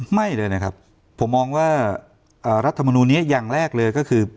ไม่เลยนะครับผมมองว่ารัฐมนูลนี้อย่างแรกเลยก็คือ